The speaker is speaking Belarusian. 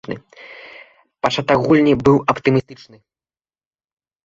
Пачатак гульні быў аптымістычны.